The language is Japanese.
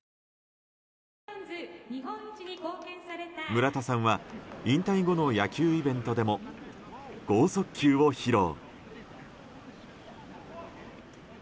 村田さんは引退後の野球イベントでも剛速球を披露。